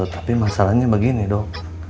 tapi masalahnya begini dok